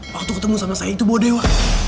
waktu ketemu sama saya itu bawa dewa